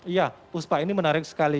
iya puspa ini menarik sekali